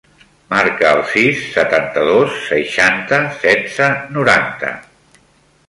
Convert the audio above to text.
Marca el sis, setanta-dos, seixanta, setze, noranta.